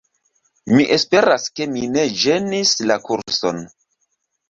Mi esperas ke mi ne ĝenis la kurson.